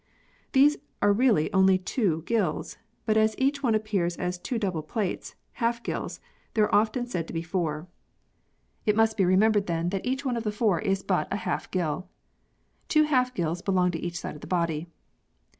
These are really only two gills, but as each one appears as two double plates (half gills) there are often said to be four. It must be remembered then .that each one D. 3 34 PEARLS [CH. of the four is but a half gill. Two half gills belong to each side of the body.